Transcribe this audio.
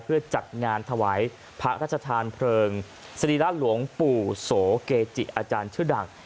เพื่อจัดงานถวายพระราชทานเพลิงสรีระหลวงปู่โสเกจิอาจารย์ชื่อดัง